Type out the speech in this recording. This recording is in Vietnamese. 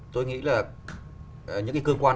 tôi nghĩ là những cái cơ quan